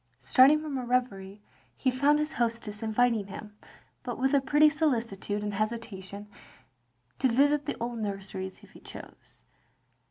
Starting from a reverie, he found his hostess inviting him, but with a pretty solicitude and hesitation, to visit the old nurseries if he chose.